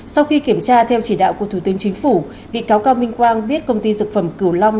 sau khi kiểm tra theo chỉ đạo của thủ tướng chính phủ bị cáo cao minh quang biết công ty dược phẩm cửu long